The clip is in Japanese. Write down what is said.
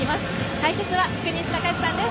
解説は福西崇史さんです。